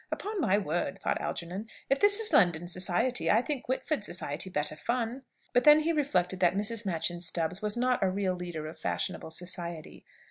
"Upon my word," thought Algernon, "if this is London society, I think Whitford society better fun." But then he reflected that Mrs. Machyn Stubbs was not a real leader of fashionable society.